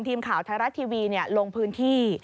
ทีมข่าวไทยรัฐทีวีลงพื้นที่